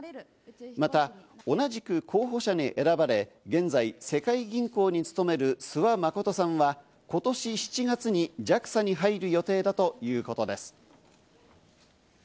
また、同じく候補者に選ばれ、現在、世界銀行に勤める諏訪理さんは今年７月にＪＡＸＡに入る予定だということです。